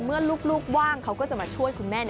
เมื่อลูกว่างเขาก็จะมาช่วยคุณแม่